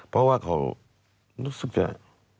เพราะว่าเขารู้สึกจะ